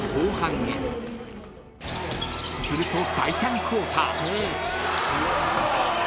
［すると第３クォーター］